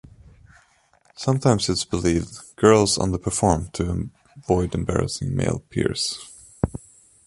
Sometimes, its believed, girls underperform, to avoid embarrassing male peers.